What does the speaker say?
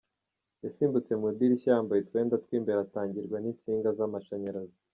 Yasimbutse mu idirishya yambaye utwenda tw’ imbere atangirwa n’insinga z’amashanyarazi.